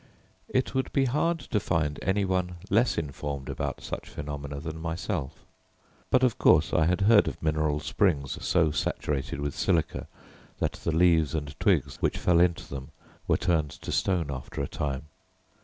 It would be hard to find any one less informed about such phenomena than myself; but of course I had heard of mineral springs so saturated with silica that the leaves and twigs which fell into them were turned to stone after a time.